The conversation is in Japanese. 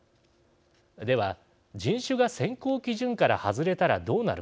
では人種が選考基準から外れたらどうなるか。